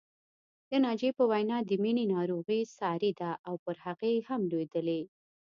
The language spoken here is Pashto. د ناجيې په وینا د مینې ناروغي ساري ده او پر هغې هم لوېدلې